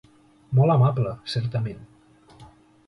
Molt amable, certament.